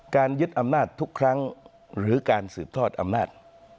ยึดอำนาจทุกครั้งหรือการสืบทอดอำนาจ